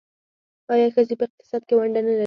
آیا ښځې په اقتصاد کې ونډه نلري؟